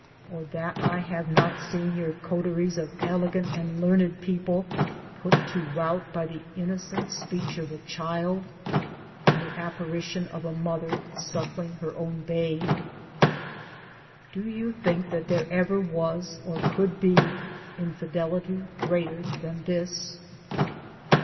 or that I have not seen your coteries of elegant and learned people put to rout by the innocent speech of a child, and the apparition of a mother suckling her own babe ! Do you think that there ever was or could be Infi delity greater than this